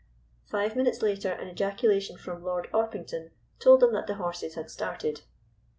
Five minutes later an ejaculation from Lord Orpington told them that the horses had started.